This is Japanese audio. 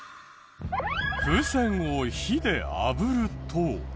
風船を火であぶると。